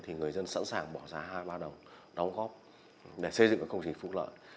thì người dân sẵn sàng bỏ ra hai ba đồng đóng góp để xây dựng công trình phụ lợi